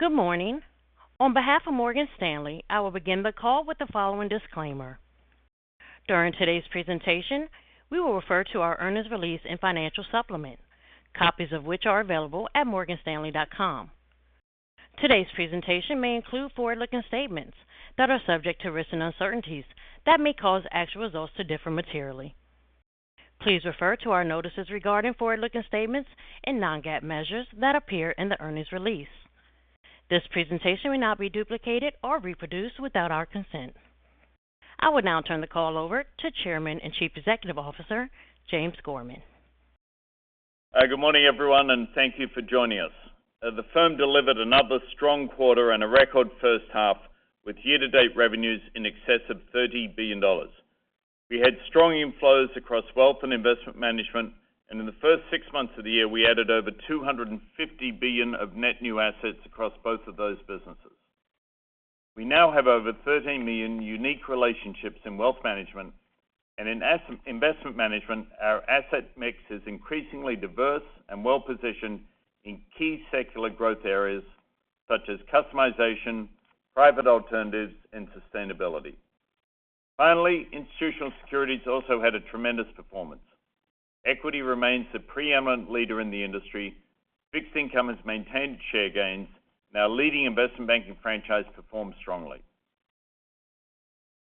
Good morning. On behalf of Morgan Stanley, I will begin the call with the following disclaimer. During today's presentation, we will refer to our earnings release and financial supplement, copies of which are available at morganstanley.com. Today's presentation may include forward-looking statements that are subject to risks and uncertainties that may cause actual results to differ materially. Please refer to our notices regarding forward-looking statements and non-GAAP measures that appear in the earnings release. This presentation may not be duplicated or reproduced without our consent. I would now turn the call over to Chairman and Chief Executive Officer, James Gorman. Hi, good morning, everyone, and thank you for joining us. The firm delivered another strong quarter and a record first half with year-to-date revenues in excess of $30 billion. We had strong inflows across Wealth and Investment Management, and in the first six months of the year, we added over 250 billion of net new assets across both of those businesses. We now have over 13 million unique relationships in Wealth Management. In Investment Management, our asset mix is increasingly diverse and well-positioned in key secular growth areas such as customization, private alternatives, and sustainability. Finally, Institutional Securities also had a tremendous performance. Equity remains the preeminent leader in the industry, Fixed Income has maintained share gains, and our leading Investment Banking franchise performed strongly.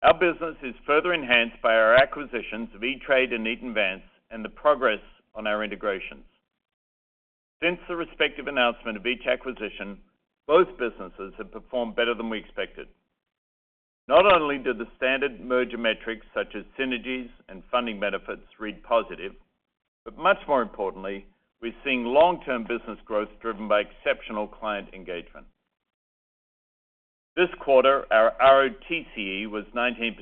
Our business is further enhanced by our acquisitions of E*TRADE and Eaton Vance and the progress on our integrations. Since the respective announcement of each acquisition, both businesses have performed better than we expected. Not only did the standard merger metrics such as synergies and funding benefits read positive, much more importantly, we're seeing long-term business growth driven by exceptional client engagement. This quarter, our ROTCE was 19%,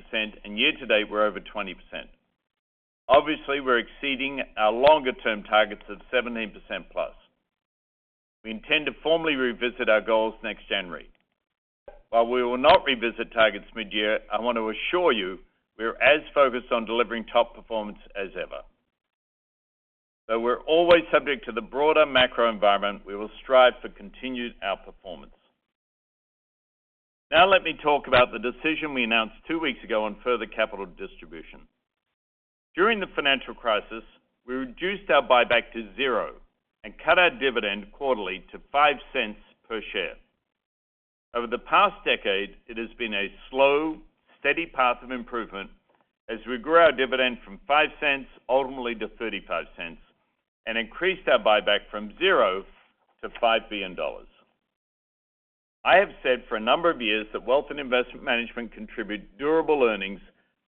and year-to-date, we're over 20%. Obviously, we're exceeding our longer-term targets of 17%+. We intend to formally revisit our goals next January. While we will not revisit targets mid-year, I want to assure you we are as focused on delivering top performance as ever. Though we're always subject to the broader macro environment, we will strive for continued outperformance. Let me talk about the decision we announced two weeks ago on further capital distribution. During the financial crisis, we reduced our buyback to zero and cut our dividend quarterly to $0.05 per share. Over the past decade, it has been a slow, steady path of improvement as we grew our dividend from $0.05 ultimately to $0.35 and increased our buyback from zero to $5 billion. I have said for a number of years that wealth and Investment Management contribute durable earnings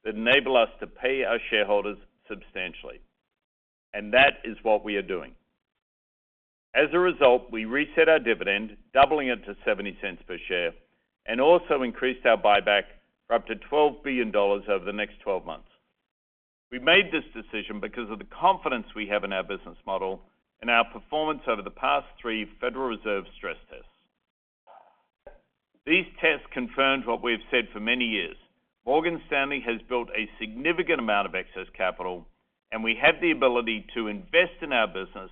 that enable us to pay our shareholders substantially, and that is what we are doing. As a result, we reset our dividend, doubling it to $0.70 per share, and also increased our buyback for up to $12 billion over the next 12 months. We made this decision because of the confidence we have in our business model and our performance over the past three Federal Reserve stress tests. These tests confirmed what we have said for many years. Morgan Stanley has built a significant amount of excess capital, we have the ability to invest in our business,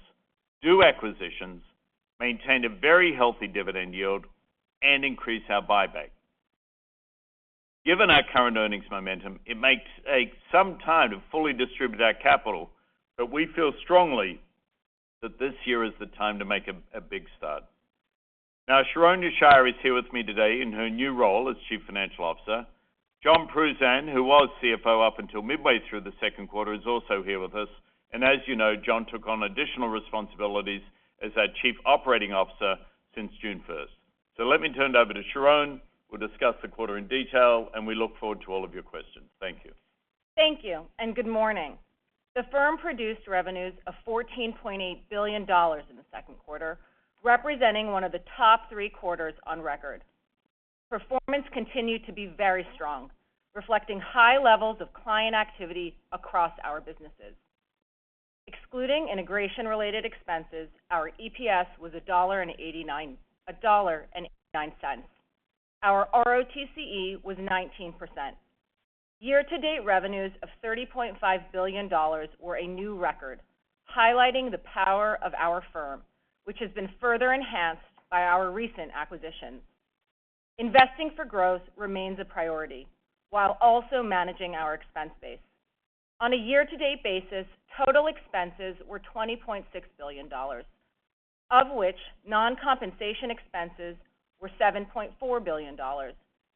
do acquisitions, maintain a very healthy dividend yield, and increase our buyback. Given our current earnings momentum, it may take some time to fully distribute our capital, we feel strongly that this year is the time to make a big start. Sharon Yeshaya is here with me today in her new role as Chief Financial Officer. Jon Pruzan, who was CFO up until midway through the second quarter, is also here with us. As you know, Jon took on additional responsibilities as our Chief Operating Officer since June 1st. Let me turn it over to Sharon, who'll discuss the quarter in detail, we look forward to all of your questions. Thank you. Thank you, good morning. The firm produced revenues of $14.8 billion in the second quarter, representing one of the top three quarters on record. Performance continued to be very strong, reflecting high levels of client activity across our businesses. Excluding integration-related expenses, our EPS was $1.89. Our ROTCE was 19%. Year-to-date revenues of $30.5 billion were a new record, highlighting the power of our firm, which has been further enhanced by our recent acquisitions. Investing for growth remains a priority while also managing our expense base. On a year-to-date basis, total expenses were $20.6 billion, of which non-compensation expenses were $7.4 billion,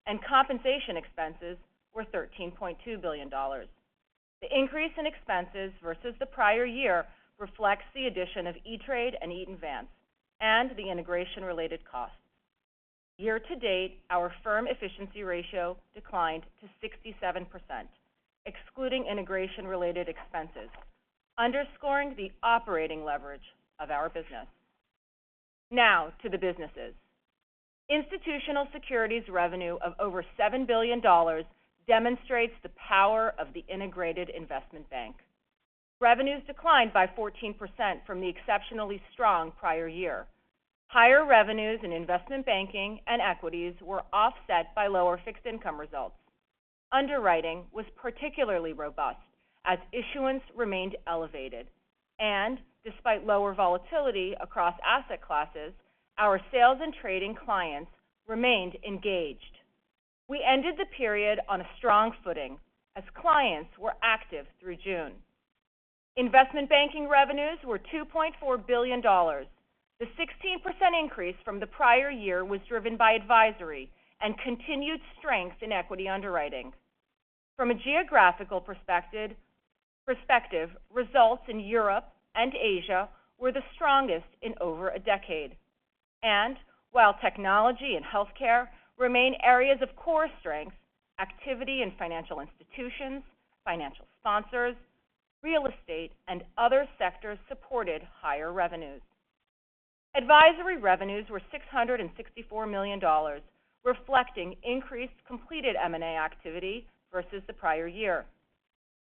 and compensation expenses were $13.2 billion. The increase in expenses versus the prior year reflects the addition of E*TRADE and Eaton Vance and the integration-related costs. Year-to-date, our firm efficiency ratio declined to 67%, excluding integration-related expenses, underscoring the operating leverage of our business. Now to the businesses. Institutional Securities revenue of over $7 billion demonstrates the power of the integrated investment bank. Revenues declined by 14% from the exceptionally strong prior year. Higher revenues in investment banking and equities were offset by lower fixed income results. Underwriting was particularly robust as issuance remained elevated. Despite lower volatility across asset classes, our sales and trading clients remained engaged. We ended the period on a strong footing as clients were active through June. Investment banking revenues were $2.4 billion. The 16% increase from the prior year was driven by advisory and continued strength in equity underwriting. From a geographical perspective, results in Europe and Asia were the strongest in over a decade. While technology and healthcare remain areas of core strength, activity in financial institutions, financial sponsors, real estate, and other sectors supported higher revenues. Advisory revenues were $664 million, reflecting increased completed M&A activity versus the prior year.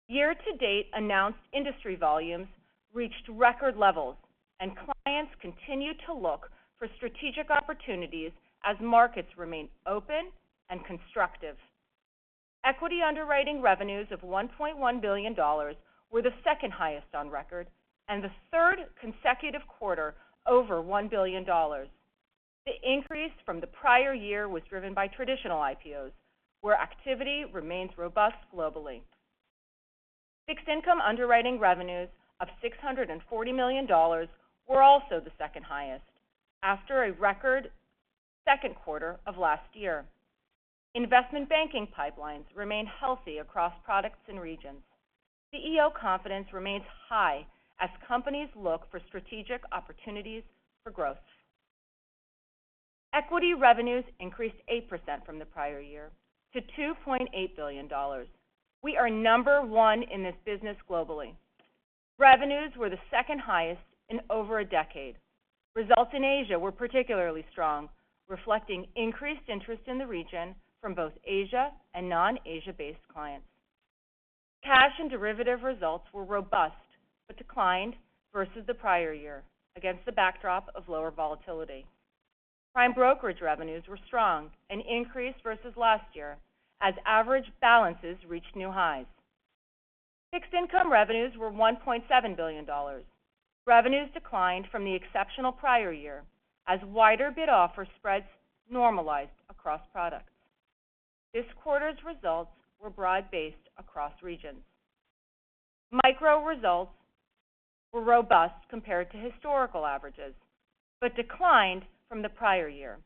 Year-to-date announced industry volumes reached record levels, and clients continued to look for strategic opportunities as markets remained open and constructive. Equity underwriting revenues of $1.1 billion were the second highest on record and the third consecutive quarter over $1 billion. The increase from the prior year was driven by traditional IPOs, where activity remains robust globally. Fixed income underwriting revenues of $640 million were also the second highest, after a record second quarter of last year. Investment banking pipelines remain healthy across products and regions. CEO confidence remains high as companies look for strategic opportunities for growth. Equity revenues increased 8% from the prior year to $2.8 billion. We are number one in this business globally. Revenues were the second highest in over a decade. Results in Asia were particularly strong, reflecting increased interest in the region from both Asia and non-Asia-based clients. Cash and derivative results were robust but declined versus the prior year against the backdrop of lower volatility. Prime brokerage revenues were strong and increased versus last year as average balances reached new highs. Fixed income revenues were $1.7 billion. Revenues declined from the exceptional prior year as wider bid-offer spreads normalized across products. This quarter's results were broad-based across regions. Micro results were robust compared to historical averages but declined from the prior year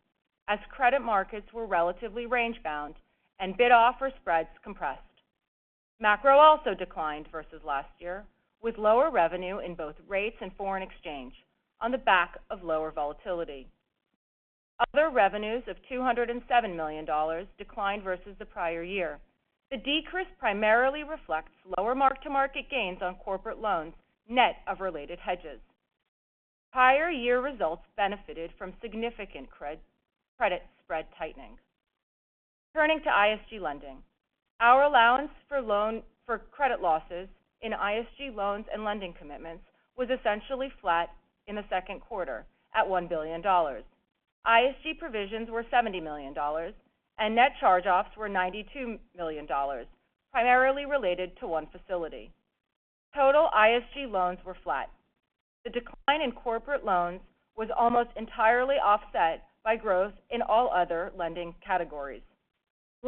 as credit markets were relatively range-bound and bid-offer spreads compressed. Macro also declined versus last year, with lower revenue in both rates and foreign exchange on the back of lower volatility. Other revenues of $207 million declined versus the prior year. The decrease primarily reflects lower mark-to-market gains on corporate loans, net of related hedges. Prior year results benefited from significant credit spread tightening. Turning to ISG lending. Our allowance for credit losses in ISG loans and lending commitments was essentially flat in the second quarter at $1 billion. ISG provisions were $70 million, and net charge-offs were $92 million, primarily related to one facility. Total ISG loans were flat. The decline in corporate loans was almost entirely offset by growth in all other lending categories.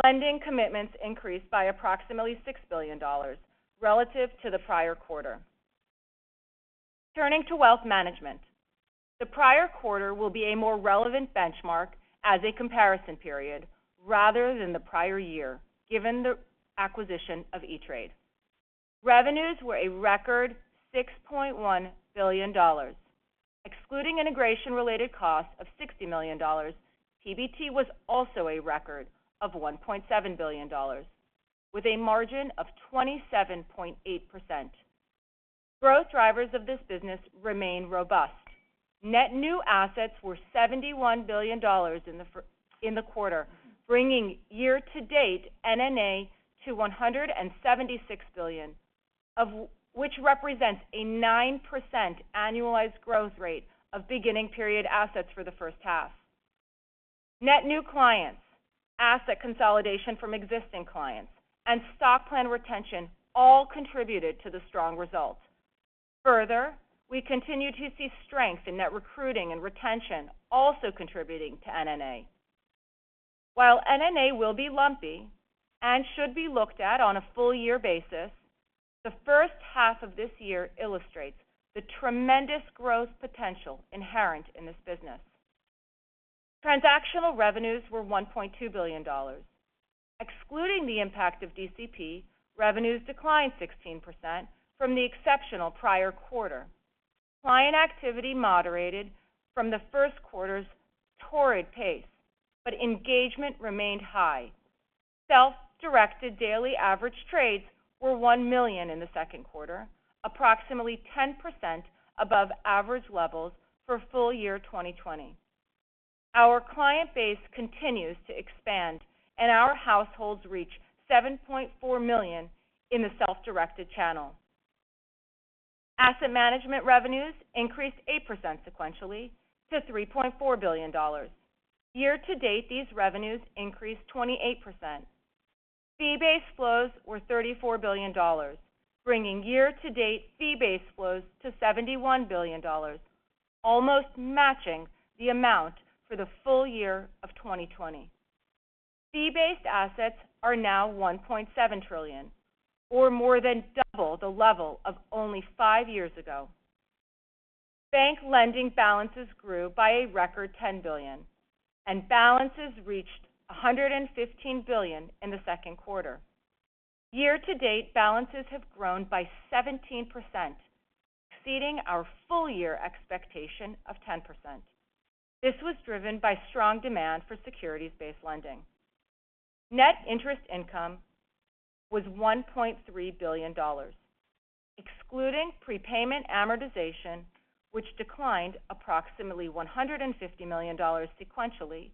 Lending commitments increased by approximately $6 billion relative to the prior quarter. Turning to Wealth Management. The prior quarter will be a more relevant benchmark as a comparison period rather than the prior year, given the acquisition of E*TRADE. Revenues were a record $6.1 billion. Excluding integration-related costs of $60 million, PBT was also a record of $1.7 billion, with a margin of 27.8%. Growth drivers of this business remain robust. Net new assets were $71 billion in the quarter, bringing year-to-date NNA to $176 billion, which represents a 9% annualized growth rate of beginning period assets for the first half. Net new clients, asset consolidation from existing clients, and stock plan retention all contributed to the strong results. Further, we continue to see strength in net recruiting and retention also contributing to NNA. While NNA will be lumpy and should be looked at on a full-year basis, the first half of this year illustrates the tremendous growth potential inherent in this business. Transactional revenues were $1.2 billion. Excluding the impact of DCP, revenues declined 16% from the exceptional prior quarter. Client activity moderated from the first quarter's torrid pace, but engagement remained high. Self-directed daily average trades were one million in the second quarter, approximately 10% above average levels for full year 2020. Our client base continues to expand, and our households reach 7.4 million in the self-directed channel. Asset management revenues increased 8% sequentially to $3.4 billion. Year-to-date, these revenues increased 28%. Fee-based flows were $34 billion, bringing year-to-date fee-based flows to $71 billion, almost matching the amount for the full year of 2020. Fee-based assets are now $1.7 trillion, or more than double the level of only five years ago. Bank lending balances grew by a record $10 billion, and balances reached $115 billion in the second quarter. Year-to-date, balances have grown by 17%, exceeding our full-year expectation of 10%. This was driven by strong demand for securities-based lending. Net interest income was $1.3 billion. Excluding prepayment amortization, which declined approximately $150 million sequentially,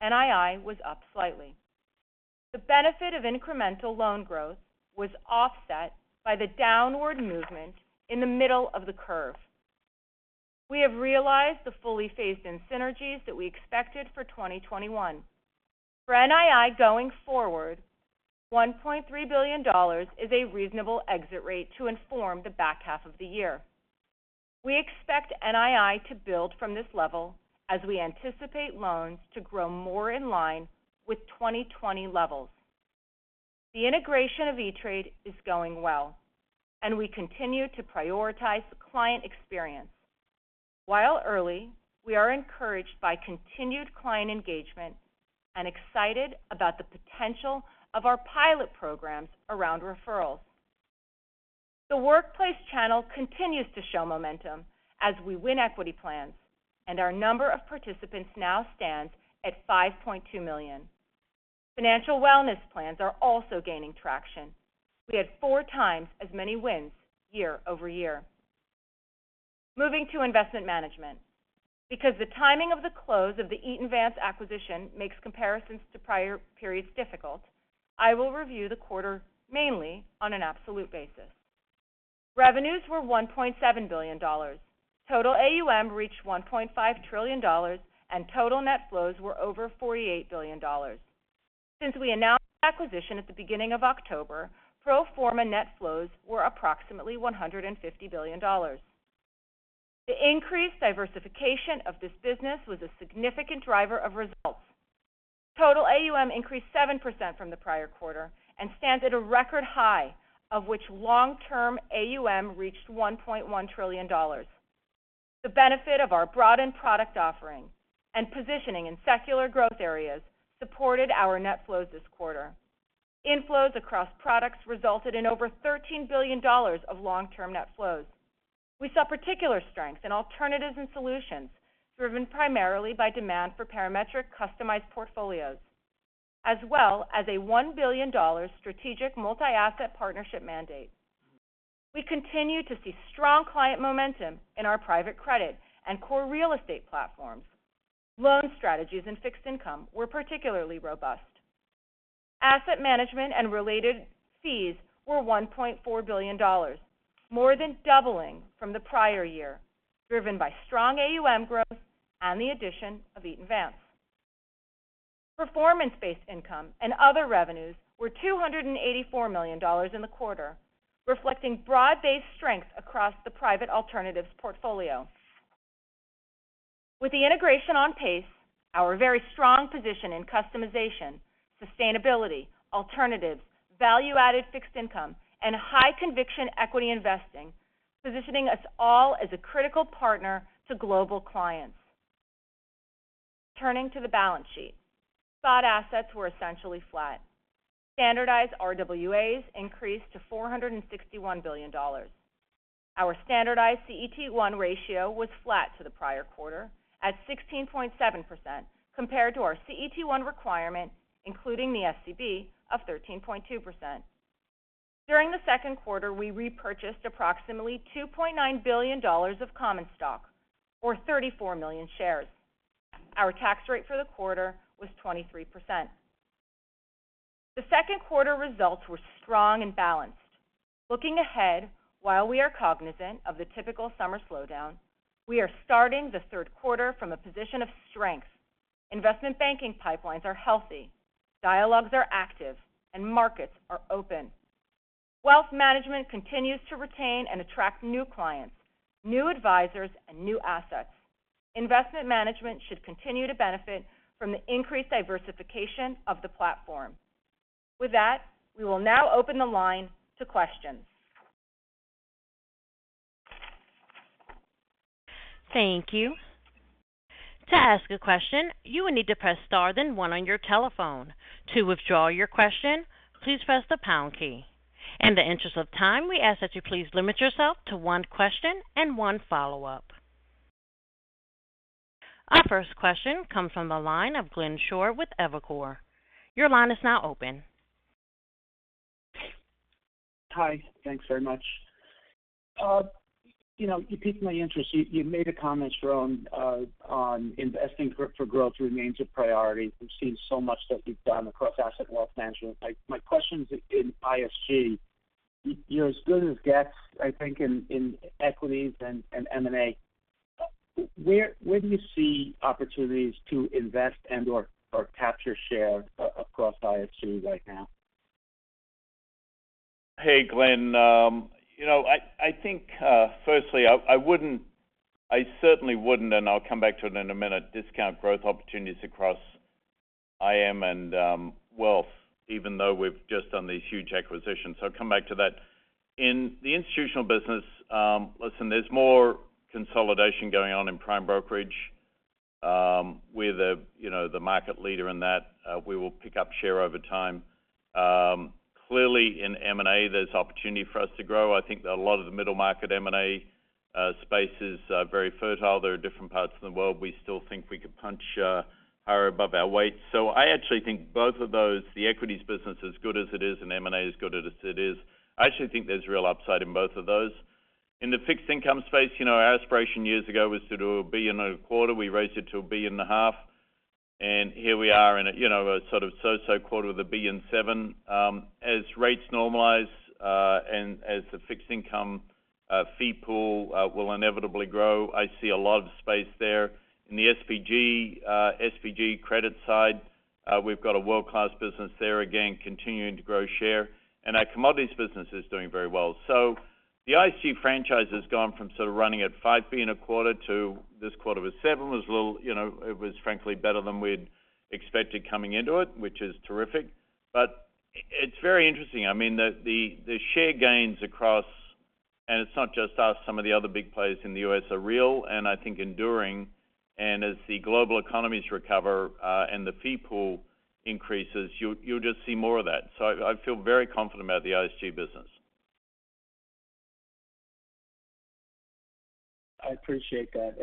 NII was up slightly. The benefit of incremental loan growth was offset by the downward movement in the middle of the curve. We have realized the fully phased-in synergies that we expected for 2021. For NII going forward, $1.3 billion is a reasonable exit rate to inform the back half of the year. We expect NII to build from this level as we anticipate loans to grow more in line with 2020 levels. The integration of E*TRADE is going well, and we continue to prioritize the client experience. While early, we are encouraged by continued client engagement and excited about the potential of our pilot programs around referrals. The workplace channel continues to show momentum as we win equity plans, and our number of participants now stands at 5.2 million. Financial wellness plans are also gaining traction. We had 4x as many wins year-over-year. Moving to Investment Management. Because the timing of the close of the Eaton Vance acquisition makes comparisons to prior periods difficult, I will review the quarter mainly on an absolute basis. Revenues were $1.7 billion. Total AUM reached $1.5 trillion, and total net flows were over $48 billion. Since we announced the acquisition at the beginning of October, pro forma net flows were approximately $150 billion. The increased diversification of this business was a significant driver of results. Total AUM increased 7% from the prior quarter and stands at a record high, of which long-term AUM reached $1.1 trillion. The benefit of our broadened product offering and positioning in secular growth areas supported our net flows this quarter. Inflows across products resulted in over $13 billion of long-term net flows. We saw particular strength in alternatives and solutions, driven primarily by demand for Parametric customized portfolios, as well as a $1 billion strategic multi-asset partnership mandate. We continue to see strong client momentum in our private credit and core real estate platforms. Loan strategies and fixed income were particularly robust. Asset management and related fees were $1.4 billion, more than doubling from the prior year, driven by strong AUM growth and the addition of Eaton Vance. Performance-based income and other revenues were $284 million in the quarter, reflecting broad-based strength across the private alternatives portfolio. With the integration on pace, our very strong position in customization, sustainability, alternatives, value-added fixed income, and high-conviction equity investing, positioning us all as a critical partner to global clients. Turning to the balance sheet. Spot assets were essentially flat. Standardized RWAs increased to $461 billion. Our standardized CET1 ratio was flat to the prior quarter at 16.7%, compared to our CET1 requirement, including the SCB, of 13.2%. During the second quarter, we repurchased approximately $2.9 billion of common stock, or 34 million shares. Our tax rate for the quarter was 23%. The second quarter results were strong and balanced. Looking ahead, while we are cognizant of the typical summer slowdown, we are starting the third quarter from a position of strength. Investment banking pipelines are healthy, dialogues are active, and markets are open. Wealth Management continues to retain and attract new clients, new advisors, and new assets. Investment Management should continue to benefit from the increased diversification of the platform. With that, we will now open the line to questions. Thank you. In the interest of time, we ask that you please limit yourself to one question and one follow-up. Our first question comes from the line of Glenn Schorr with Evercore. Your line is now open. Hi. Thanks very much. You piqued my interest. You made a comment, Sharon, on investing for growth remains a priority. We've seen so much that we've done across asset and Wealth Management. My question's in ISG. You're as good as it gets, I think, in equities and M&A. Where do you see opportunities to invest and/or capture share across ISG right now? Hey, Glenn. I think firstly, I certainly wouldn't, and I'll come back to it in a minute, discount growth opportunities across IM and Wealth, even though we've just done these huge acquisitions. I'll come back to that. In the Institutional business, listen, there's more consolidation going on in prime brokerage. We're the market leader in that. We will pick up share over time. Clearly in M&A, there's opportunity for us to grow. I think that a lot of the middle-market M&A space is very fertile. There are different parts of the world we still think we could punch higher above our weight. I actually think both of those, the equities business as good as it is, and M&A as good as it is, I actually think there's real upside in both of those. In the fixed income space, our aspiration years ago was to do $1 billion a quarter. We raised it to $1.5 billion, and here we are in a sort of so-so quarter with $1.7 billion. As rates normalize, and as the fixed income fee pool will inevitably grow, I see a lot of space there. In the SPG credit side, we've got a world-class business there, again, continuing to grow share, and our commodities business is doing very well. The ISG franchise has gone from sort of running at $5 billion in a quarter to this quarter was $7 billion. It was frankly better than we'd expected coming into it, which is terrific. It's very interesting. I mean, the share gains across, and it's not just us, some of the other big players in the U.S., are real, and I think enduring. As the global economies recover, and the fee pool increases, you'll just see more of that. I feel very confident about the ISG business. I appreciate that.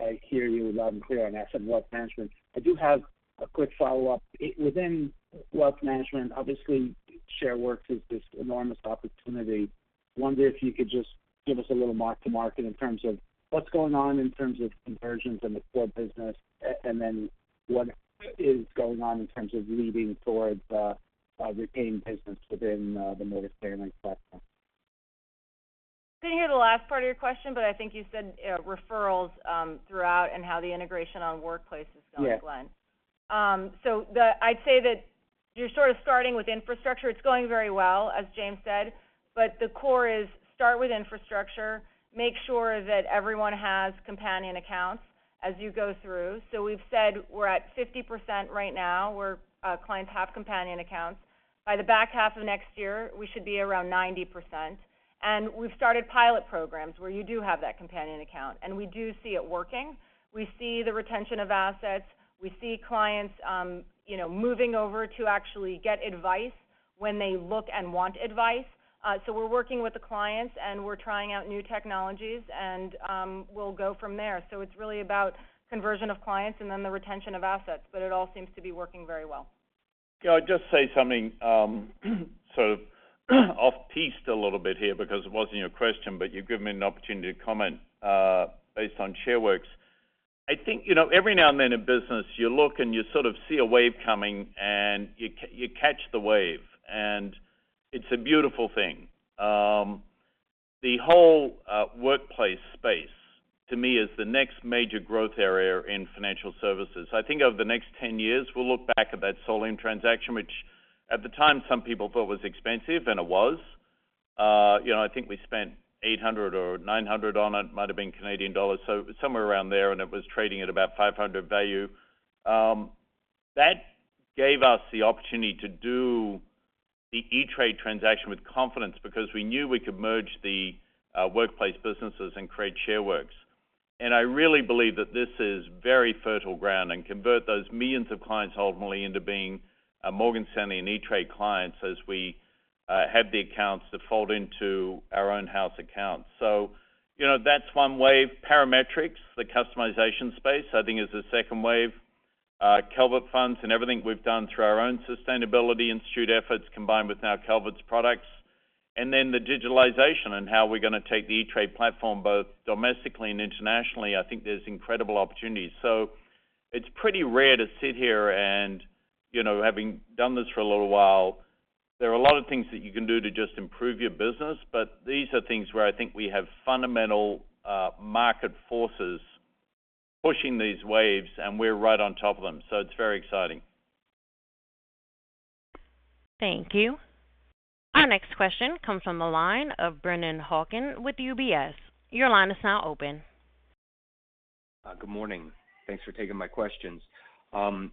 I hear you loud and clear on asset and Wealth Management. I do have a quick follow-up. Within Wealth Management, obviously, Shareworks is this enormous opportunity. I wonder if you could just give us a little mark to market in terms of what's going on in terms of conversions in the core business, and then what is going on in terms of leading towards retaining business within the Morgan Stanley platform. Didn't hear the last part of your question, but I think you said referrals throughout and how the integration on Workplace is going, Glenn. Yes. I'd say that you're sort of starting with infrastructure. It's going very well, as James said, but the core is start with infrastructure, make sure that everyone has companion accounts as you go through. We've said we're at 50% right now where clients have companion accounts. By the back half of next year, we should be around 90%. We've started pilot programs where you do have that companion account, and we do see it working. We see the retention of assets. We see clients moving over to actually get advice when they look and want advice. We're working with the clients, and we're trying out new technologies, and we'll go from there. It's really about conversion of clients and then the retention of assets, but it all seems to be working very well. Can I just say something sort of off-piste a little bit here because it wasn't your question, but you've given me an opportunity to comment based on Shareworks. I think every now and then in business, you look, and you sort of see a wave coming, and you catch the wave, and it's a beautiful thing. The whole workplace space to me is the next major growth area in financial services. I think over the next 10 years, we'll look back at that Solium transaction, which at the time some people thought was expensive, and it was. I think we spent 800 or 900 on it, might've been Canadian dollars, so somewhere around there, and it was trading at about 500 value. That gave us the opportunity to do the E*TRADE transaction with confidence because we knew we could merge the workplace businesses and create Shareworks. I really believe that this is very fertile ground and convert those millions of clients ultimately into being Morgan Stanley and E*TRADE clients as we have the accounts default into our own house accounts. That's one wave. Parametric, the customization space, I think is a second wave. Calvert Funds and everything we've done through our own Sustainability Institute efforts combined with now Calvert's products. The digitalization and how we're going to take the E*TRADE platform both domestically and internationally. I think there's incredible opportunities. It's pretty rare to sit here and having done this for a little while, there are a lot of things that you can do to just improve your business. These are things where I think we have fundamental market forces pushing these waves, and we're right on top of them. It's very exciting. Thank you. Our next question comes from the line of Brennan Hawken with UBS. Good morning. Thanks for taking my questions. I'd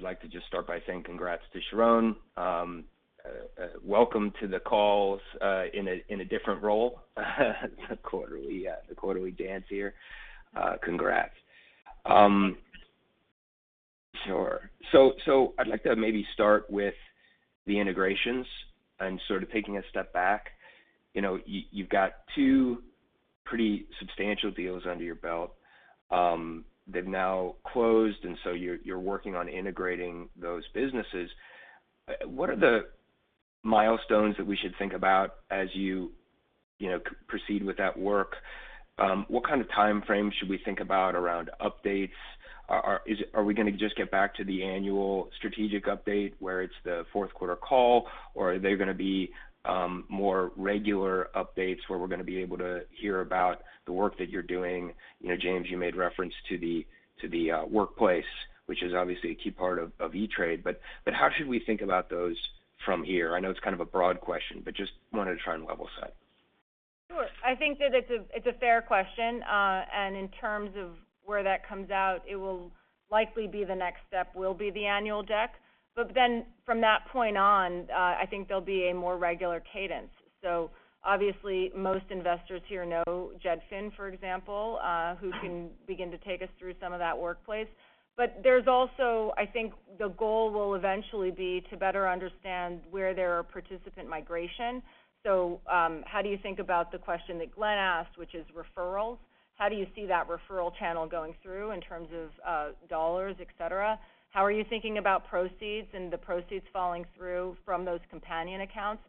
like to just start by saying congrats to Sharon. Welcome to the calls in a different role. The quarterly dance here. Congrats. Sure. I'd like to maybe start with the integrations and sort of taking a step back. You've got two pretty substantial deals under your belt. They've now closed, and so you're working on integrating those businesses. What are the milestones that we should think about as you proceed with that work? What kind of time frame should we think about around updates? Are we going to just get back to the annual strategic update where it's the fourth quarter call, or are there going to be more regular updates where we're going to be able to hear about the work that you're doing? James, you made reference to the workplace, which is obviously a key part of E*TRADE, but how should we think about those from here? I know it's kind of a broad question, but I just wanted to try and level set. Sure. I think that it's a fair question. In terms of where that comes out, it will likely be the next step will be the annual deck. From that point on, I think there'll be a more regular cadence. Obviously most investors here know Jed Finn, for example, who can begin to take us through some of that workplace. There's also, I think the goal will eventually be to better understand where there are participant migration. How do you think about the question that Glenn asked, which is referrals? How do you see that referral channel going through in terms of dollars, et cetera? How are you thinking about proceeds and the proceeds falling through from those companion accounts?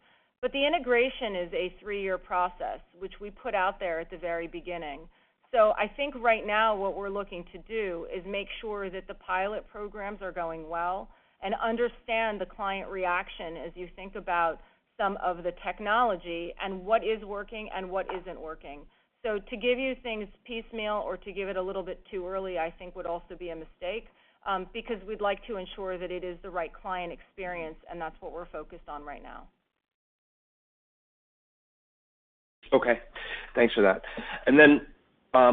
The integration is a 3-year process, which we put out there at the very beginning. I think right now what we're looking to do is make sure that the pilot programs are going well and understand the client reaction as you think about some of the technology and what is working and what isn't working. To give you things piecemeal or to give it a little bit too early, I think would also be a mistake, because we'd like to ensure that it is the right client experience, and that's what we're focused on right now. Okay. Thanks for that.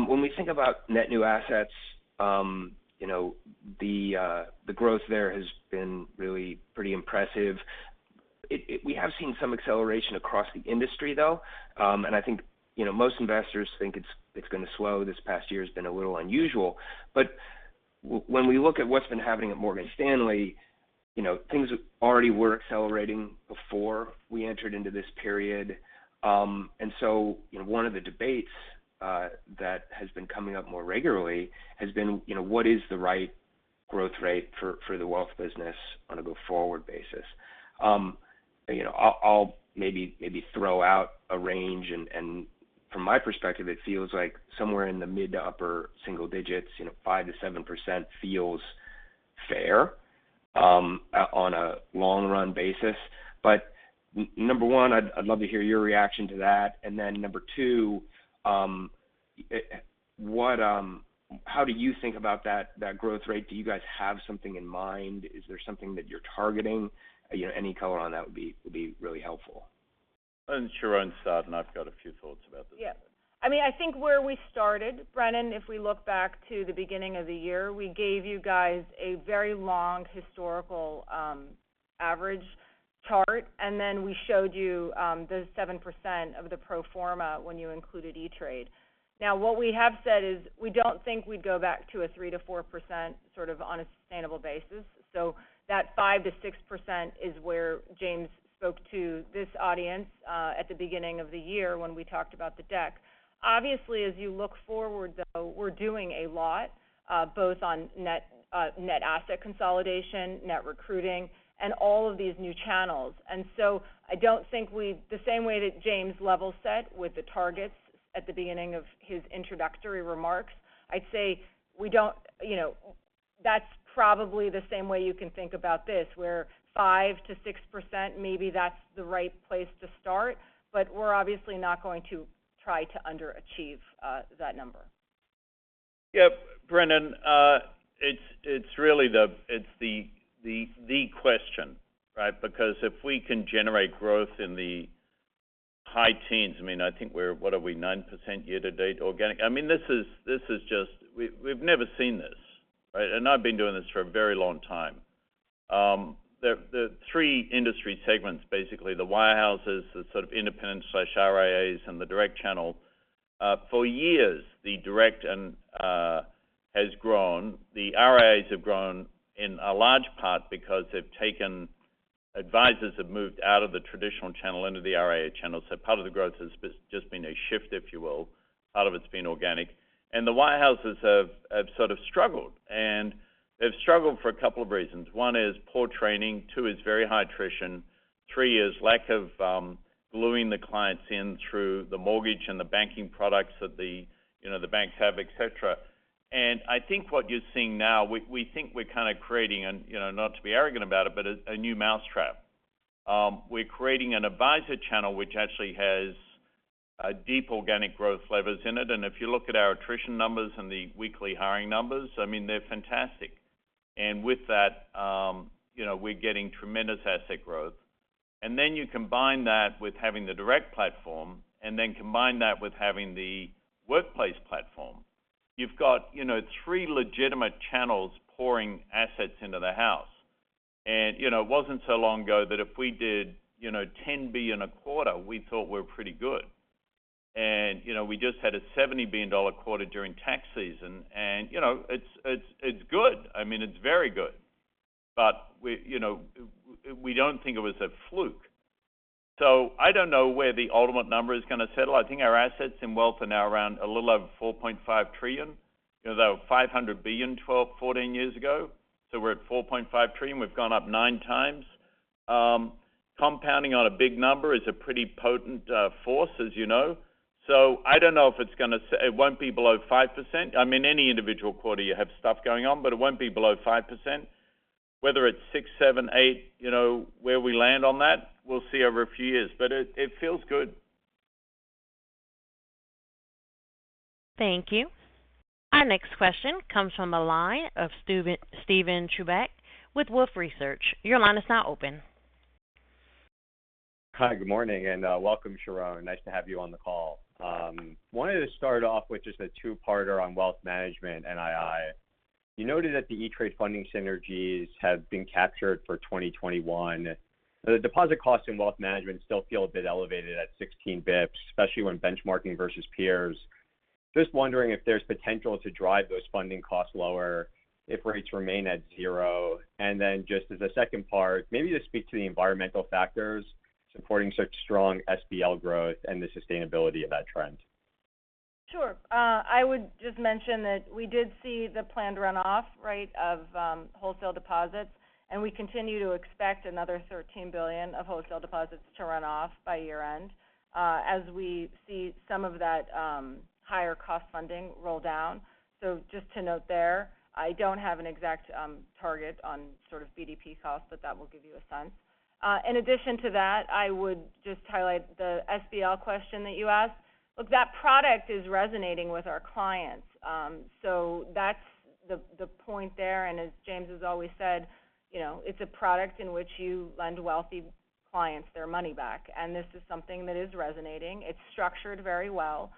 When we think about net new assets, the growth there has been really pretty impressive. We have seen some acceleration across the industry, though. I think most investors think it's going to slow. This past year has been a little unusual. When we look at what's been happening at Morgan Stanley, things already were accelerating before we entered into this period. One of the debates that has been coming up more regularly has been, what is the right growth rate for the Wealth business on a go-forward basis? I'll maybe throw out a range, and from my perspective, it feels like somewhere in the mid to upper single digits, 5%-7% feels fair on a long-run basis. Number one, I'd love to hear your reaction to that. Then number two, how do you think about that growth rate? Do you guys have something in mind? Is there something that you're targeting? Any color on that would be really helpful. Sharon start, and I've got a few thoughts about this as well. Yeah. I think where we started, Brennan, if we look back to the beginning of the year, we gave you guys a very long historical average chart. Then we showed you the 7% of the pro forma when you included E*TRADE. What we have said is we don't think we'd go back to a 3%-4% sort of on a sustainable basis. That 5%-6% is where James spoke to this audience, at the beginning of the year when we talked about the deck. Obviously, as you look forward, though, we're doing a lot, both on net asset consolidation, net recruiting, and all of these new channels. I don't think the same way that James level set with the targets at the beginning of his introductory remarks, I'd say that's probably the same way you can think about this, where 5%-6%, maybe that's the right place to start. We're obviously not going to try to underachieve that number. Brennan, it's the question, right? If we can generate growth in the high teens, I think we're, what are we, 9% year-to-date organic. We've never seen this, right? I've been doing this for a very long time. The three industry segments, basically the wirehouses, the sort of independent/RIAs, and the direct channel. For years, the direct has grown. The RIAs have grown in a large part because they've taken Advisors have moved out of the traditional channel into the RIA channel. Part of the growth has just been a shift, if you will. Part of it's been organic. The wirehouses have sort of struggled. They've struggled for a couple of reasons. One is poor training, two is very high attrition, three is lack of gluing the clients in through the mortgage and the banking products that the banks have, et cetera. I think what you're seeing now, we think we're kind of creating, and not to be arrogant about it, but a new mousetrap. We're creating an advisor channel which actually has deep organic growth levers in it. If you look at our attrition numbers and the weekly hiring numbers, they're fantastic. With that we're getting tremendous asset growth. Then you combine that with having the direct platform, then combine that with having the workplace platform. You've got three legitimate channels pouring assets into the house. It wasn't so long ago that if we did $10 billion a quarter, we thought we were pretty good. We just had a $70 billion quarter during tax season, and it's good. It's very good. We don't think it was a fluke. I don't know where the ultimate number is going to settle. I think our assets in wealth are now around a little over $4.5 trillion. They were $500 billion 12, 14 years ago. We're at $4.5 trillion. We've gone up nine times. Compounding on a big number is a pretty potent force, as you know. I don't know if it's going to say it won't be below 5%. Any individual quarter you have stuff going on, but it won't be below 5%, whether it's 6%, 7%, 8%. Where we land on that, we'll see over a few years. It feels good. Thank you. Our next question comes from the line of Steven Chubak with Wolfe Research. Your line is now open. Hi, good morning, welcome Sharon. Nice to have you on the call. Wanted to start off with just a two-parter on Wealth Management and NII. You noted that the E*TRADE funding synergies have been captured for 2021. The deposit costs in Wealth Management still feel a bit elevated at 16 basis points, especially when benchmarking versus peers. Just wondering if there's potential to drive those funding costs lower if rates remain at 0. Just as a second part, maybe just speak to the environmental factors supporting such strong SBL growth and the sustainability of that trend. Sure. I would just mention that we did see the planned runoff of wholesale deposits, and we continue to expect another $13 billion of wholesale deposits to run off by year-end, as we see some of that higher cost funding roll down. Just to note there, I don't have an exact target on sort of BDP cost, but that will give you a sense. In addition to that, I would just highlight the SBL question that you asked. Look, that product is resonating with our clients. That's the point there. As James has always said, it's a product in which you lend wealthy clients their money back. This is something that is resonating. It's structured very well.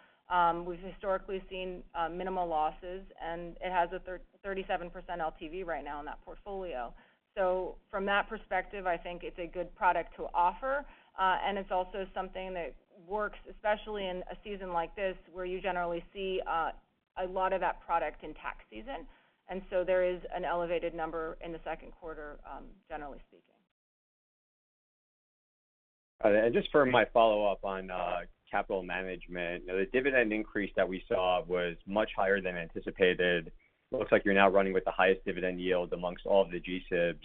We've historically seen minimal losses, and it has a 37% LTV right now in that portfolio. From that perspective, I think it's a good product to offer. It's also something that works, especially in a season like this, where you generally see a lot of that product in tax season. There is an elevated number in the second quarter, generally speaking. Just for my follow-up on capital management, the dividend increase that we saw was much higher than anticipated. Looks like you're now running with the highest dividend yield amongst all of the GSIBs.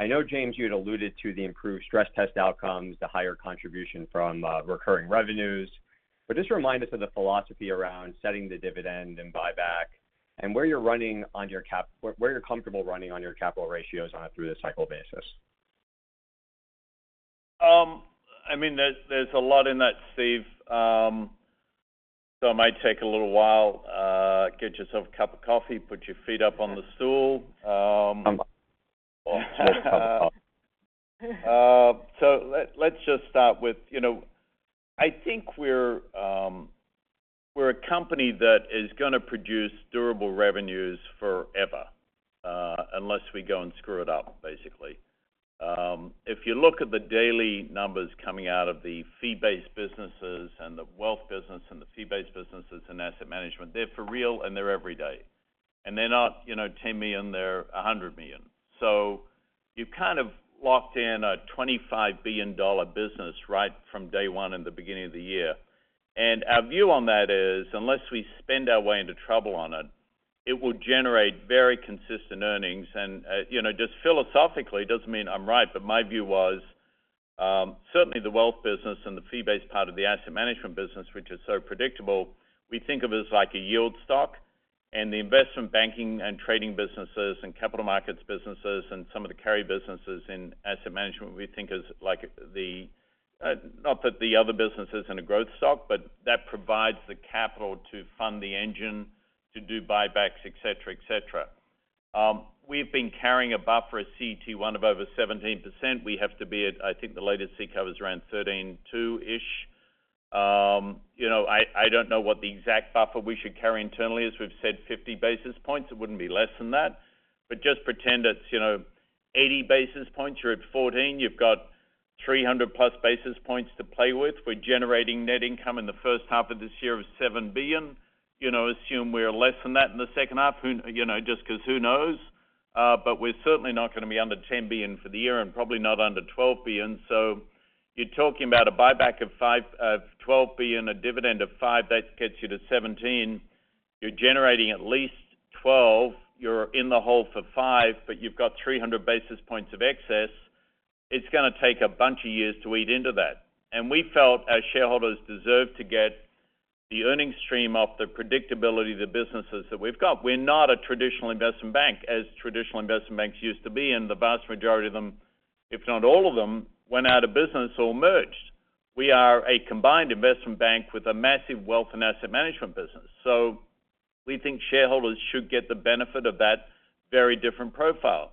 I know, James, you had alluded to the improved stress test outcomes, the higher contribution from recurring revenues. Just remind us of the philosophy around setting the dividend and buyback, and where you're comfortable running on your capital ratios on a through-the-cycle basis. There's a lot in that, Steven. It might take a little while. Get yourself a cup of coffee, put your feet up on the stool. I'm good. Just hop on. Let's just start with, I think we're a company that is going to produce durable revenues forever, unless we go and screw it up, basically. If you look at the daily numbers coming out of the fee-based businesses and the wealth business and the fee-based businesses and asset management, they're for real, and they're every day. They're not $10 million, they're $100 million. You've kind of locked in a $25 billion business right from day one in the beginning of the year. Our view on that is, unless we spend our way into trouble on it will generate very consistent earnings. Just philosophically, doesn't mean I'm right, but my view was certainly the wealth business and the fee-based part of the asset management business, which is so predictable, we think of as like a yield stock. The investment banking and trading businesses and capital markets businesses and some of the carry businesses in asset management, we think as like the, not that the other business isn't a growth stock, but that provides the capital to fund the engine to do buybacks, et cetera. We've been carrying a buffer at CET1 of over 17%. We have to be at, I think the latest CECL was around 13.2-ish. I don't know what the exact buffer we should carry internally is. We've said 50 basis points. It wouldn't be less than that. Just pretend it's 80 basis points. You're at 14. You've got 300+ basis points to play with. We're generating net income in the first half of this year of $7 billion. Assume we are less than that in the second half, just because who knows. We're certainly not going to be under $10 billion for the year and probably not under $12 billion. You're talking about a buyback of $12 billion, a dividend of $5 billion, that gets you to $17 billion. You're generating at least $12 billion. You're in the hole for $5 billion, but you've got 300 basis points of excess. It's going to take a bunch of years to eat into that. We felt our shareholders deserve to get the earnings stream off the predictability of the businesses that we've got. We're not a traditional investment bank as traditional investment banks used to be. The vast majority of them, if not all of them, went out of business or merged. We are a combined investment bank with a massive wealth and asset management business. We think shareholders should get the benefit of that very different profile.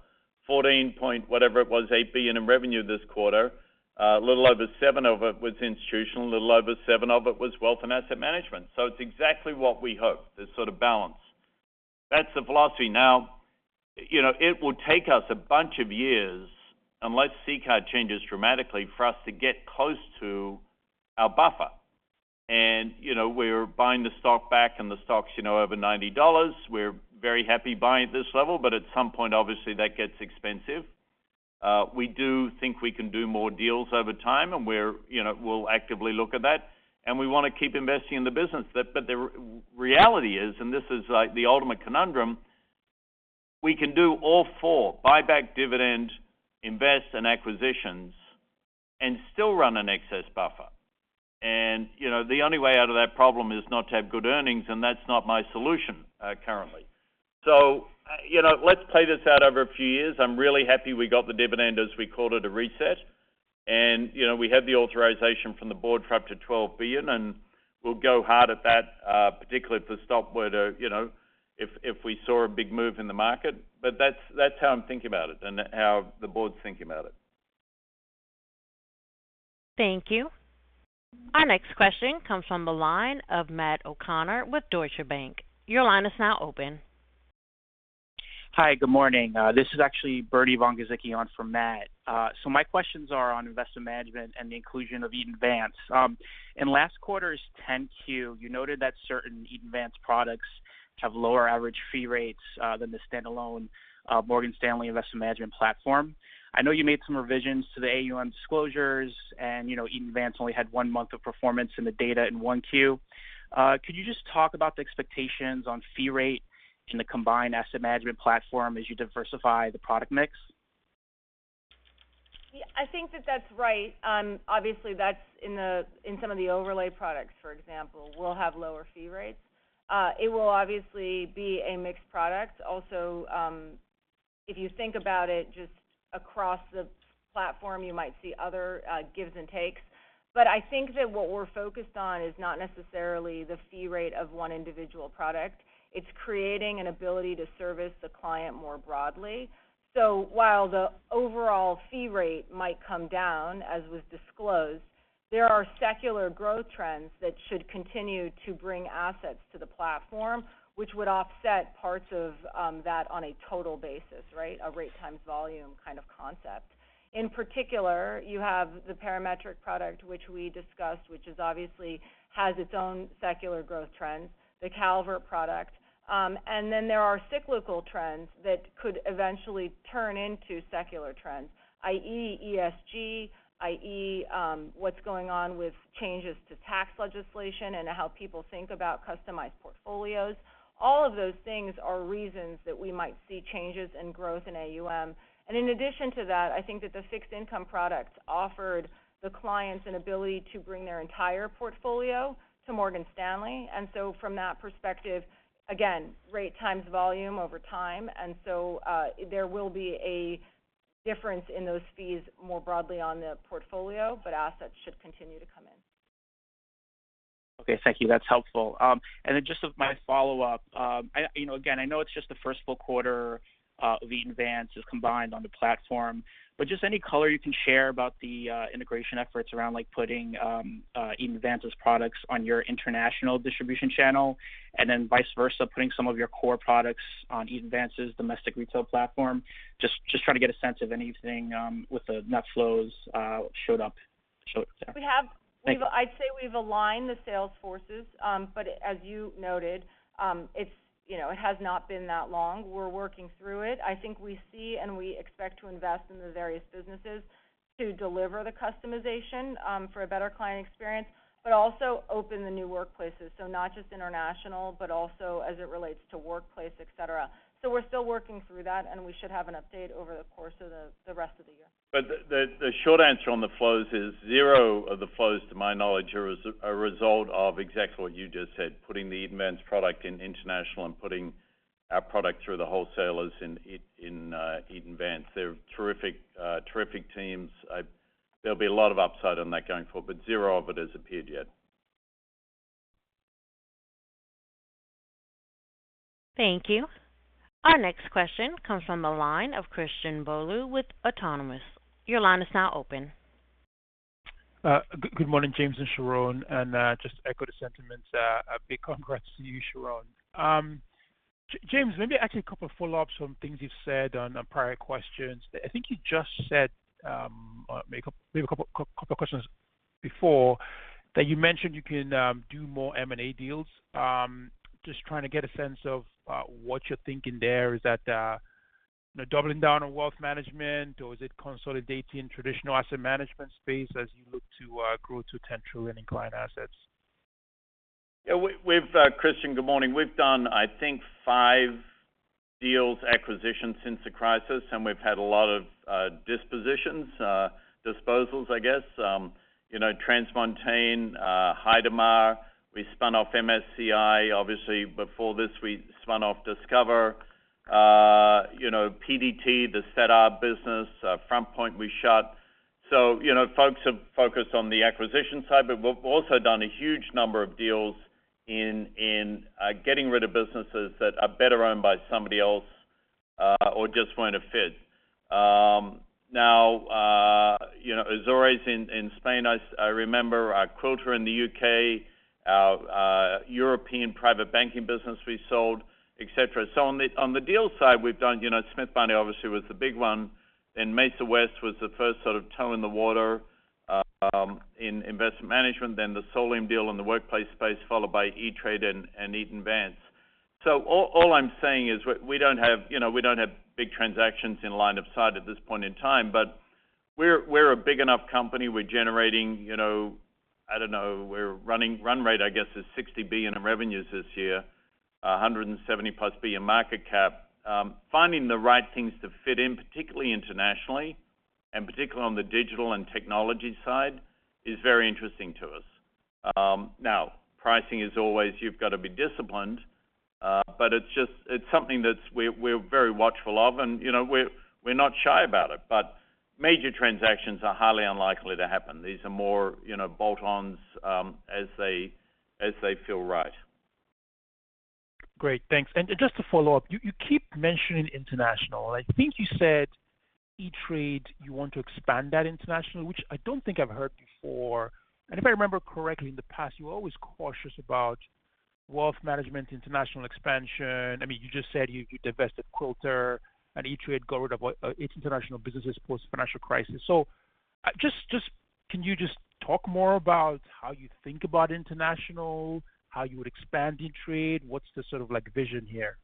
14-point whatever it was, $8 billion in revenue this quarter. A little over $7 billion of it was institutional. A little over $7 billion of it was wealth and asset management. It's exactly what we hoped, this sort of balance. That's the philosophy. Now, it will take us a bunch of years, unless CECL changes dramatically, for us to get close to our buffer. We're buying the stock back, and the stock's over $90. We're very happy buying at this level. At some point, obviously, that gets expensive. We do think we can do more deals over time, and we'll actively look at that. We want to keep investing in the business. The reality is, and this is like the ultimate conundrum. We can do all four, buyback dividend, invest, and acquisitions, and still run an excess buffer. The only way out of that problem is not to have good earnings, and that's not my solution currently. Let's play this out over a few years. I'm really happy we got the dividend as we called it a reset. We have the authorization from the board for up to $12 billion, and we'll go hard at that, particularly if we saw a big move in the market. That's how I'm thinking about it and how the board's thinking about it. Thank you. Our next question comes from the line of Matt O'Connor with Deutsche Bank. Your line is now open. Hi. Good morning. This is actually Bernie von-Gizycki on for Matt O'Connor. My questions are on Investment Management and the inclusion of Eaton Vance. In last quarter's 10-Q, you noted that certain Eaton Vance products have lower average fee rates than the standalone Morgan Stanley Investment Management platform. I know you made some revisions to the AUM disclosures, and Eaton Vance only had one month of performance in the data in 1Q. Could you just talk about the expectations on fee rate in the combined asset management platform as you diversify the product mix? I think that that's right. Obviously, that's in some of the overlay products, for example, will have lower fee rates. It will obviously be a mixed product. If you think about it just across the platform, you might see other gives and takes. I think that what we're focused on is not necessarily the fee rate of one individual product. It's creating an ability to service the client more broadly. While the overall fee rate might come down, as was disclosed, there are secular growth trends that should continue to bring assets to the platform, which would offset parts of that on a total basis, right? A rate times volume kind of concept. In particular, you have the Parametric product, which we discussed, which obviously has its own secular growth trends, the Calvert product. Then there are cyclical trends that could eventually turn into secular trends, i.e., ESG, i.e., what's going on with changes to tax legislation and how people think about customized portfolios. All of those things are reasons that we might see changes in growth in AUM. In addition to that, I think that the fixed income products offered the clients an ability to bring their entire portfolio to Morgan Stanley. From that perspective, again, rate times volume over time. There will be a difference in those fees more broadly on the portfolio, but assets should continue to come in. Okay. Thank you. That's helpful. Then just my follow-up. Again, I know it's just the first full quarter of Eaton Vance is combined on the platform, but just any color you can share about the integration efforts around putting Eaton Vance's products on your international distribution channel and then vice versa, putting some of your core products on Eaton Vance's domestic retail platform. Just trying to get a sense of anything with the net flows showed up. We have- Thank you. I'd say we've aligned the sales forces. As you noted, it has not been that long. We're working through it. I think we see and we expect to invest in the various businesses to deliver the customization for a better client experience, but also open the new workplaces. Not just international, but also as it relates to workplace, et cetera. We're still working through that, and we should have an update over the course of the rest of the year. The short answer on the flows is zero of the flows, to my knowledge, are a result of exactly what you just said, putting the Eaton Vance product in international and putting our product through the wholesalers in Eaton Vance. They are terrific teams. There'll be a lot of upside on that going forward, but zero of it has appeared yet. Thank you. Our next question comes from the line of Christian Bolu with Autonomous. Your line is now open. Good morning, James and Sharon, and just echo the sentiments. A big congrats to you, Sharon. James, maybe actually a couple of follow-ups on things you've said on prior questions. I think you just said, maybe a couple of questions before that you mentioned you can do more M&A deals. Just trying to get a sense of what you're thinking there. Is that doubling down on Wealth Management, or is it consolidating traditional asset management space as you look to grow to $10 trillion in client assets? Yeah. Christian, good morning. We've done, I think, five deals acquisition since the crisis. We've had a lot of dispositions, disposals, I guess. TransMontaigne, Heidmar, we spun off MSCI. Obviously, before this, we spun off Discover, PDT, the setup business. FrontPoint, we shut. Folks have focused on the acquisition side, but we've also done a huge number of deals in getting rid of businesses that are better owned by somebody else or just weren't a fit. Now, Azora in Spain, I remember Quilter in the U.K., our European private banking business we sold, et cetera. On the deal side, we've done Smith Barney obviously was the first big one, then Mesa West was the first sort of toe in the water in Investment Management, then the Solium deal in the workplace space, followed by E*TRADE and Eaton Vance. All I'm saying is we don't have big transactions in line of sight at this point in time. We're a big enough company. We're generating, I don't know, our run rate, I guess, is $60 billion in revenues this year, $170+ billion market cap. Finding the right things to fit in, particularly internationally, and particularly on the digital and technology side, is very interesting to us. Now, pricing is always you've got to be disciplined, but it's something that we're very watchful of, and we're not shy about it, but major transactions are highly unlikely to happen. These are more bolt-ons as they feel right. Great. Thanks. Just to follow up, you keep mentioning international. I think you said E*TRADE, you want to expand that international, which I don't think I've heard before. If I remember correctly, in the past, you were always cautious about Wealth Management, international expansion. You just said you divested Quilter and E*TRADE got rid of its international businesses post-financial crisis. Can you just talk more about how you think about international, how you would expand E*TRADE? What's the sort of vision here?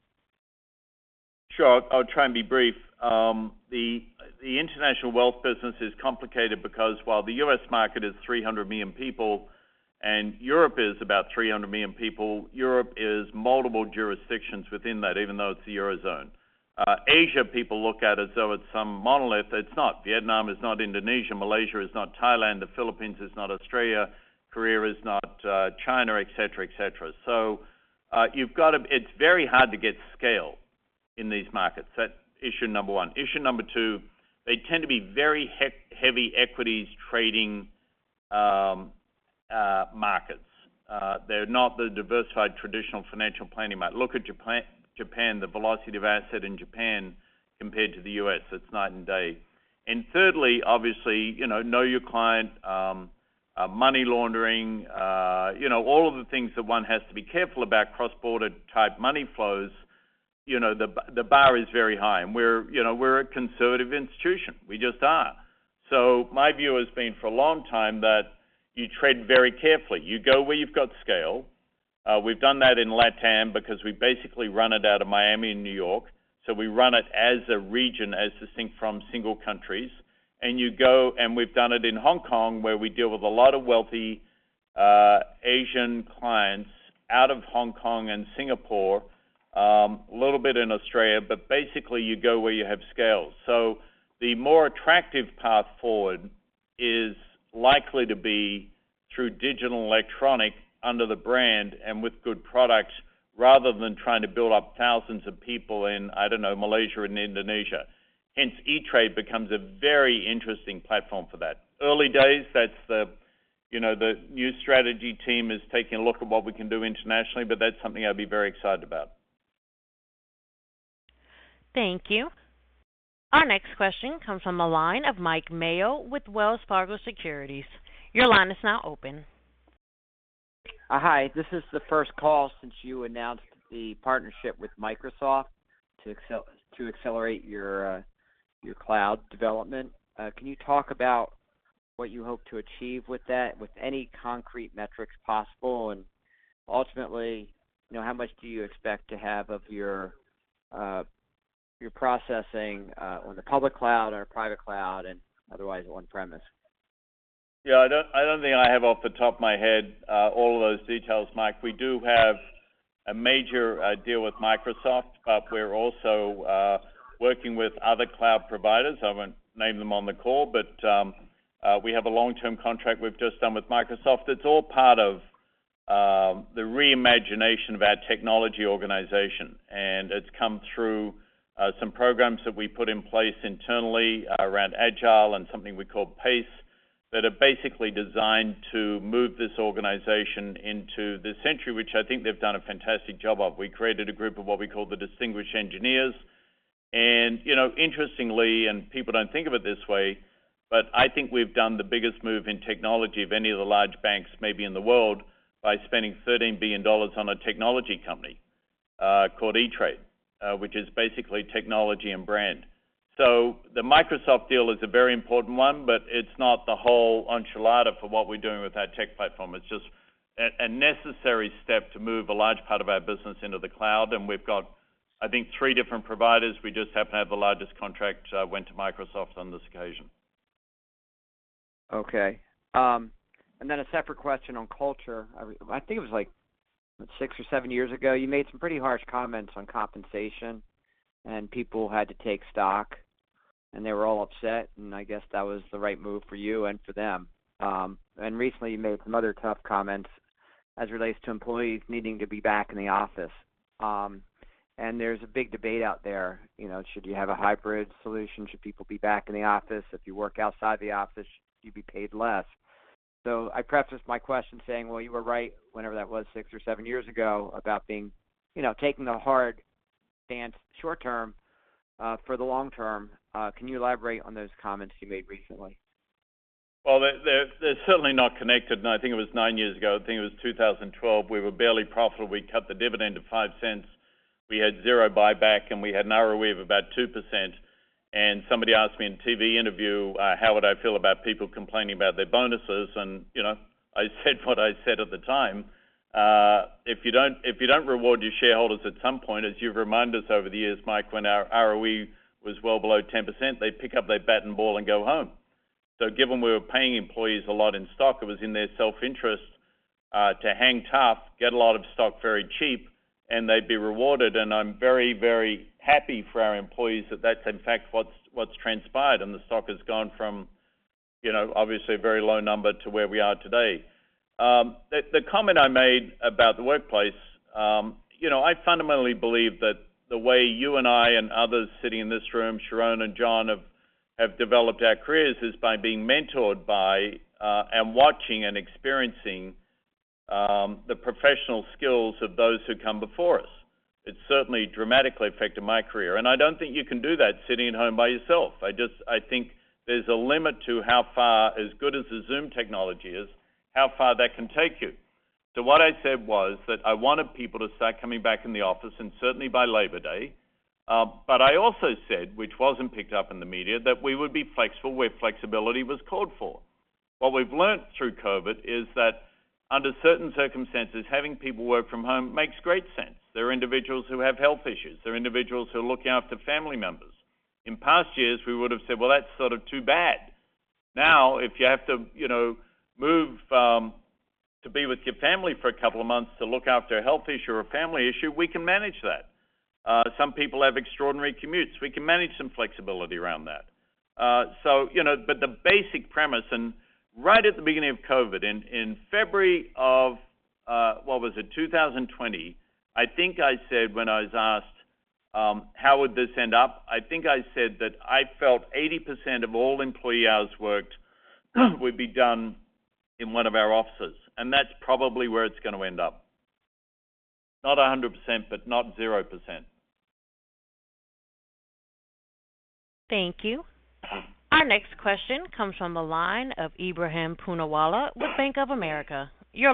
Sure. I'll try and be brief. The international wealth business is complicated because while the U.S. market is 300 million people and Europe is about 300 million people, Europe is multiple jurisdictions within that, even though it's the Eurozone. Asia, people look at it as though it's some monolith. It's not. Vietnam is not Indonesia. Malaysia is not Thailand. The Philippines is not Australia. Korea is not China, et cetera. It's very hard to get scale in these markets. That's issue number one. Issue number two, they tend to be very heavy equities trading markets. They're not the diversified traditional financial planning market. Look at Japan, the velocity of asset in Japan compared to the U.S., it's night and day. Thirdly, obviously, know your client, money laundering, all of the things that one has to be careful about cross-border-type money flows. The bar is very high, and we're a conservative institution. We just are. My view has been for a long time that you tread very carefully. You go where you've got scale. We've done that in LATAM because we basically run it out of Miami and New York. We run it as a region as distinct from single countries. You go, and we've done it in Hong Kong, where we deal with a lot of wealthy Asian clients out of Hong Kong and Singapore, a little bit in Australia, but basically, you go where you have scale. The more attractive path forward is likely to be through digital and electronic under the brand and with good products rather than trying to build up thousands of people in, I don't know, Malaysia and Indonesia. Hence, E*TRADE becomes a very interesting platform for that. Early days, the new strategy team is taking a look at what we can do internationally, but that's something I'd be very excited about. Thank you. Our next question comes from the line of Mike Mayo with Wells Fargo Securities. Your line is now open. Hi. This is the first call since you announced the partnership with Microsoft to accelerate your cloud development. Can you talk about what you hope to achieve with that, with any concrete metrics possible? Ultimately, how much do you expect to have of your processing on the public cloud or private cloud and otherwise on-premise? Yeah, I don't think I have off the top of my head all of those details, Mike. We do have a major deal with Microsoft. We're also working with other cloud providers. I won't name them on the call, we have a long-term contract we've just done with Microsoft. It's all part of the reimagination of our technology organization, it's come through some programs that we put in place internally around Agile and something we call PACE that are basically designed to move this organization into this century, which I think they've done a fantastic job of. We created a group of what we call the distinguished engineers. Interestingly, and people don't think of it this way, but I think we've done the biggest move in technology of any of the large banks maybe in the world by spending $13 billion on a technology company called E*TRADE which is basically technology and brand. The Microsoft deal is a very important one, but it's not the whole enchilada for what we're doing with our tech platform. It's just a necessary step to move a large part of our business into the cloud, and we've got, I think, three different providers. We just happen to have the largest contract went to Microsoft on this occasion. Okay. Then a separate question on culture. I think it was six or seven years ago, you made some pretty harsh comments on compensation, and people had to take stock, and they were all upset, and I guess that was the right move for you and for them. Recently, you made some other tough comments as it relates to employees needing to be back in the office. There's a big debate out there. Should you have a hybrid solution? Should people be back in the office? If you work outside the office, should you be paid less? I preface my question saying, well, you were right whenever that was six or seven years ago about taking the hard stance short term for the long term. Can you elaborate on those comments you made recently? Well, they're certainly not connected. I think it was nine years ago. I think it was 2012. We were barely profitable. We cut the dividend to $0.05. We had zero buyback, and we had an ROE of about 2%. Somebody asked me in a TV interview how would I feel about people complaining about their bonuses, and I said what I said at the time. If you don't reward your shareholders at some point, as you've reminded us over the years, Mike, when our ROE was well below 10%, they'd pick up their bat and ball and go home. Given we were paying employees a lot in stock, it was in their self-interest to hang tough, get a lot of stock very cheap, and they'd be rewarded. I'm very happy for our employees that that's in fact what's transpired. The stock has gone from obviously a very low number to where we are today. The comment I made about the workplace, I fundamentally believe that the way you and I and others sitting in this room, Sharon and Jon, have developed our careers is by being mentored by, and watching and experiencing the professional skills of those who come before us. It's certainly dramatically affected my career, and I don't think you can do that sitting at home by yourself. I think there's a limit to, as good as the Zoom technology is, how far that can take you. What I said was that I wanted people to start coming back in the office and certainly by Labor Day. I also said, which wasn't picked up in the media, that we would be flexible where flexibility was called for. What we've learned through COVID is that under certain circumstances, having people work from home makes great sense. There are individuals who have health issues. There are individuals who are looking after family members. In past years, we would've said, "Well, that's sort of too bad." Now, if you have to move to be with your family for a couple of months to look after a health issue or a family issue, we can manage that. Some people have extraordinary commutes. We can manage some flexibility around that. The basic premise, and right at the beginning of COVID, in February of, what was it? 2020. I think I said when I was asked, how would this end up? I think I said that I felt 80% of all employee hours worked would be done in one of our offices. That's probably where it's going to end up. Not 100%, but not 0%. Thank you. Our next question comes from the line of Ebrahim Poonawala with Bank of America. Good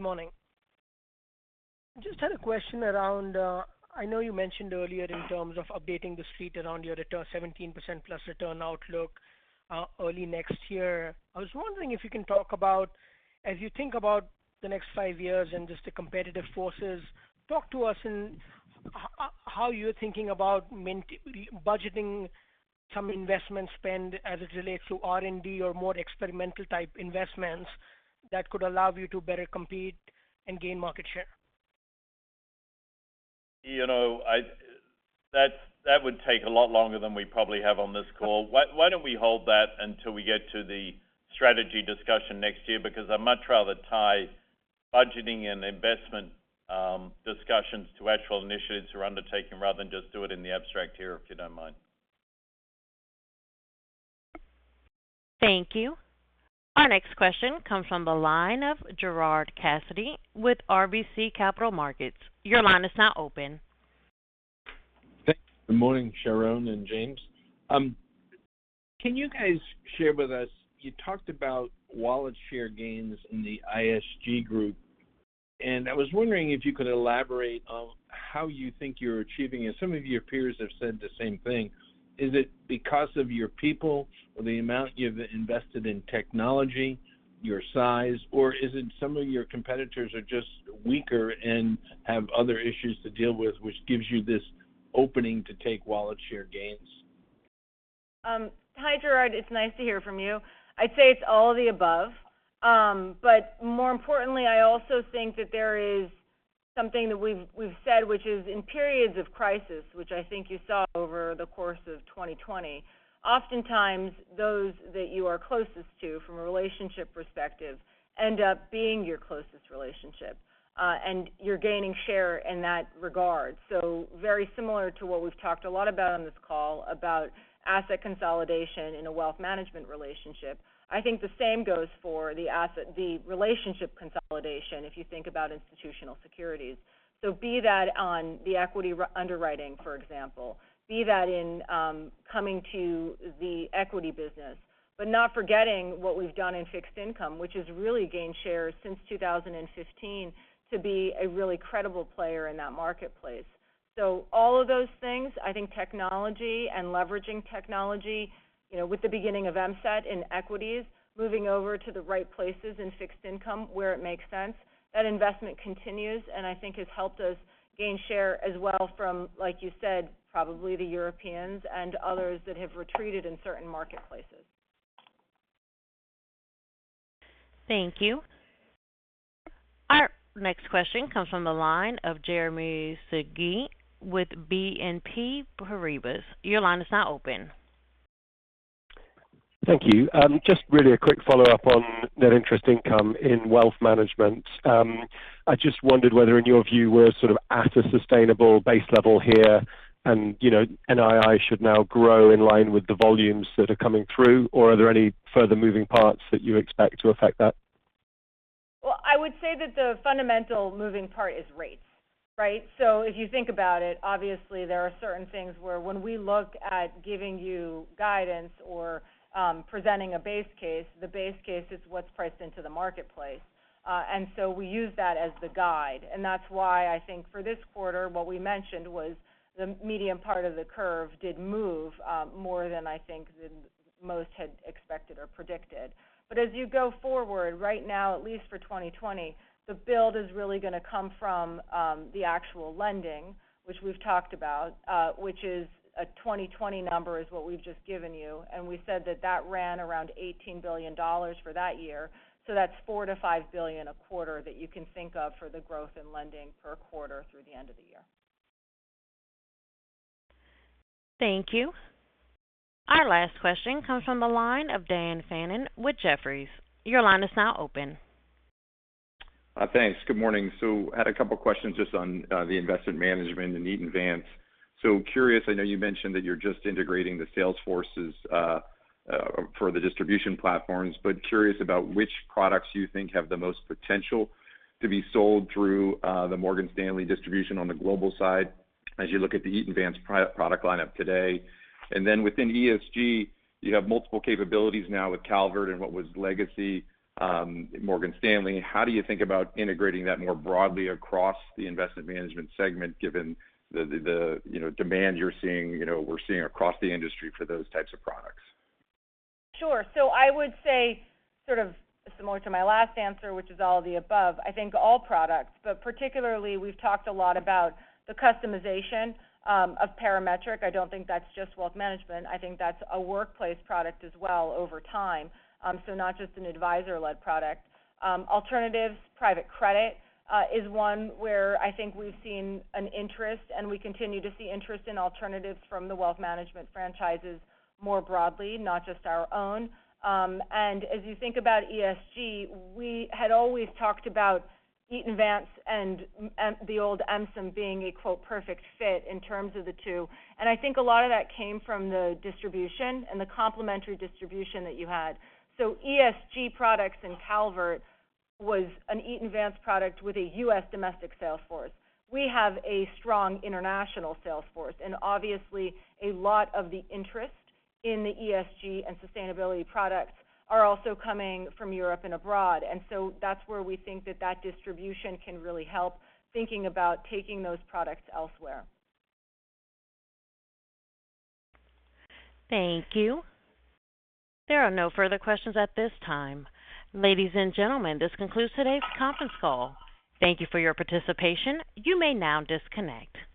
morning. Just had a question. I know you mentioned earlier in terms of updating the Street around your 17%+ return outlook early next year. I was wondering if you can talk about, as you think about the next five years and just the competitive forces, talk to us in how you're thinking about budgeting some investment spend as it relates to R&D or more experimental type investments that could allow you to better compete and gain market share. That would take a lot longer than we probably have on this call. Why don't we hold that until we get to the strategy discussion next year? I'd much rather tie budgeting and investment discussions to actual initiatives we're undertaking, rather than just do it in the abstract here, if you don't mind. Thank you. Our next question comes from the line of Gerard Cassidy with RBC Capital Markets. Your line is now open. Thanks. Good morning, Sharon and James. Can you guys share with us, you talked about wallet share gains in the ISG group, and I was wondering if you could elaborate on how you think you're achieving it. Some of your peers have said the same thing. Is it because of your people or the amount you've invested in technology, your size, or is it some of your competitors are just weaker and have other issues to deal with, which gives you this opening to take wallet share gains? Hi, Gerard. It's nice to hear from you. I'd say it's all of the above. More importantly, I also think that there is something that we've said, which is in periods of crisis, which I think you saw over the course of 2020, oftentimes those that you are closest to from a relationship perspective end up being your closest relationship. You're gaining share in that regard. Very similar to what we've talked a lot about on this call about asset consolidation in a Wealth Management relationship. I think the same goes for the relationship consolidation, if you think about Institutional Securities. Be that on the equity underwriting, for example. Be that in coming to the equity business. Not forgetting what we've done in fixed income, which has really gained share since 2015 to be a really credible player in that marketplace. All of those things, I think technology and leveraging technology, with the beginning of MSET in equities, moving over to the right places in fixed income where it makes sense. That investment continues, and I think has helped us gain share as well from, like you said, probably the Europeans and others that have retreated in certain marketplaces. Thank you. Our next question comes from the line of Jeremy Sigee with BNP Paribas. Your line is now open. Thank you. Just really a quick follow-up on net interest income in Wealth Management. I just wondered whether in your view we're sort of at a sustainable base level here, and NII should now grow in line with the volumes that are coming through? Are there any further moving parts that you expect to affect that? I would say that the fundamental moving part is rates. Right? If you think about it, obviously there are certain things where when we look at giving you guidance or presenting a base case, the base case is what's priced into the marketplace. We use that as the guide. That's why I think for this quarter, what we mentioned was the medium part of the curve did move more than I think most had expected or predicted. As you go forward right now, at least for 2020, the build is really going to come from the actual lending, which we've talked about, which is a 2020 number, is what we've just given you. We said that that ran around $18 billion for that year. That's $4 billion-$5 billion a quarter that you can think of for the growth in lending per quarter through the end of the year. Thank you. Our last question comes from the line of Dan Fannon with Jefferies. Your line is now open. Thanks. Good morning. Had a couple questions just on the Investment Management and Eaton Vance. Curious, I know you mentioned that you're just integrating the sales forces for the distribution platforms, but curious about which products you think have the most potential to be sold through the Morgan Stanley distribution on the global side as you look at the Eaton Vance product lineup today. Within ESG, you have multiple capabilities now with Calvert and what was legacy Morgan Stanley. How do you think about integrating that more broadly across the Investment Management segment, given the demand we're seeing across the industry for those types of products? Sure. I would say sort of similar to my last answer, which is all of the above. I think all products, but particularly we've talked a lot about the customization of Parametric. I don't think that's just Wealth Management. I think that's a workplace product as well over time. Not just an advisor-led product. Alternatives, private credit is one where I think we've seen an interest, and we continue to see interest in alternatives from the Wealth Management franchises more broadly, not just our own. As you think about ESG, we had always talked about Eaton Vance and the old MSIM being a "perfect fit" in terms of the two. I think a lot of that came from the distribution and the complementary distribution that you had. ESG products in Calvert was an Eaton Vance product with a U.S. domestic sales force. We have a strong international sales force, obviously a lot of the interest in the ESG and sustainability products are also coming from Europe and abroad. That's where we think that distribution can really help thinking about taking those products elsewhere. Thank you. There are no further questions at this time. Ladies and gentlemen, this concludes today's conference call. Thank you for your participation. You may now disconnect.